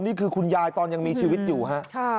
นี่คือคุณยายตอนยังมีชีวิตอยู่ครับ